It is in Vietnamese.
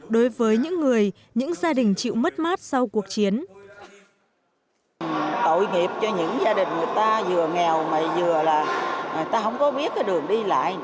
đối với những người đồng đội